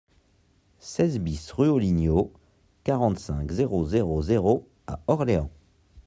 seize BIS rue aux Ligneaux, quarante-cinq, zéro zéro zéro à Orléans